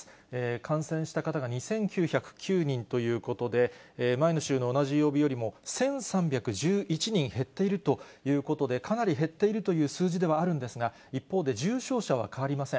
感染した方が２９０９人ということで、前の週の同じ曜日よりも１３１１人減っているということで、かなり減っているという数字ではあるんですが、一方で、重症者は変わりません。